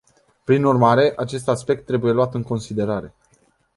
Prin urmare, acest aspect trebuie luat în considerare.